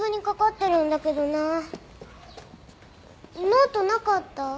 ノートなかった？